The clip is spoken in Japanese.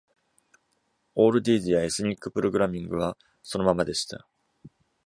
オールディーズやエスニックプログラミングはそのままでした。